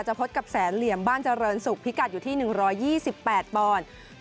พบกับแสนเหลี่ยมบ้านเจริญศุกร์พิกัดอยู่ที่๑๒๘ปอนด์